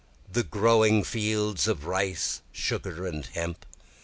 the growing fields of rice, sugar, hemp!